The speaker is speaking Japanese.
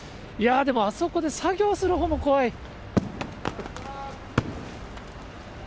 いやー、でもあそこで作業するほうも怖い。